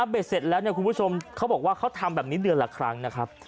เสร็จแล้วคุณผู้ชมเขาบอกว่าเขาทำแบบนี้เดือนละครั้งนะครับ